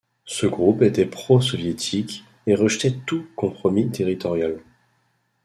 Ce groupe était pro-soviétique, et rejetait tout compromis territorial.